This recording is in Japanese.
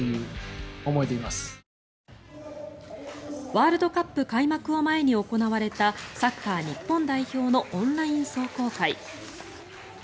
ワールドカップ開幕を前に行われたサッカー日本代表のオンライン壮行会。